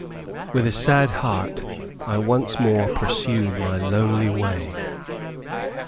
With a sad heart, I once more pursued my lonely way.